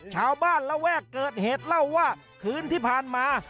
ชาวบ้านและแว่๊กเกิดเหตุเล่าว่าคืนที่ผ่านมา